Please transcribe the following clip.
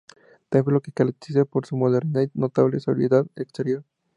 Templo que se caracteriza por su modernidad y notable sobriedad exterior.